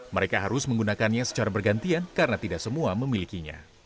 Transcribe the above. mereka harus menggunakannya secara bergantian karena tidak semua memilikinya